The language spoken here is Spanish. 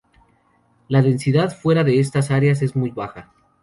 La densidad fuera de estas áreas es muy baja.